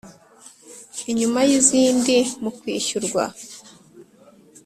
inyuma y izindi mu kwishyurwa